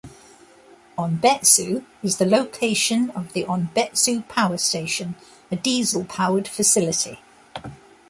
Onbetsu is the location of the Onbetsu Power Station, a diesel-powered facility.